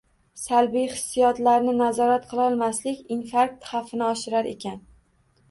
Salbiy hissiyotlarini nazorat qilolmaslik infarkt xavfini oshirar ekan.